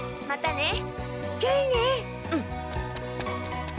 またね！